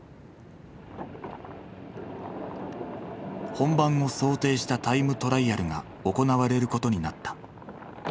本番を想定したタイムトライアルが行われることになった。